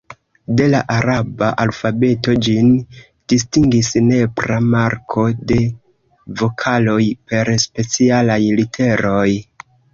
De la araba alfabeto ĝin distingis nepra marko de vokaloj per specialaj literoj.